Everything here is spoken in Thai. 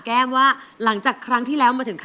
แก้มขอมาสู้เพื่อกล่องเสียงให้กับคุณพ่อใหม่นะครับ